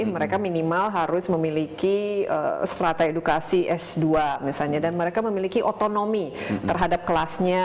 mereka minimal harus memiliki strata edukasi s dua misalnya dan mereka memiliki otonomi terhadap kelasnya